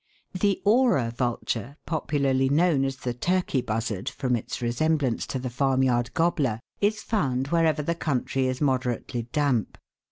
The Aura vulture, popularly known as the Turkey buzzard, from its resemblance to the farmyard gobbler, is found wherever the country is moderately damp.